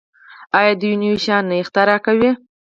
آیا دوی نوي شیان نه اختراع کوي؟